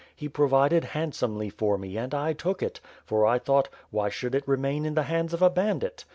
He provided hand somely for me and I took it; for I thought, why should it remain in the hands of a bandit.